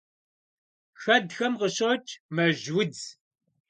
Шэдхэм къыщокӀ мэжьудз.